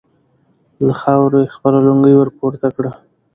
له خاورو يې خپله لونګۍ ور پورته کړه.